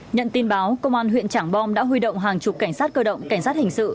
nhận tin báo công an huyện trảng bom đã huy động hàng chục cảnh sát cơ động cảnh sát hình sự